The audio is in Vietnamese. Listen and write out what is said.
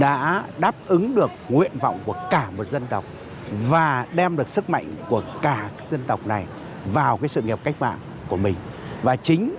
đảng cộng sản đã đáp ứng được nguyện vọng của cả một dân tộc và đem được sức mạnh của cả một dân tộc này vào sự nghiệp cách mạng của mình